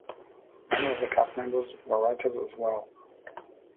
Many of the cast members were writers as well.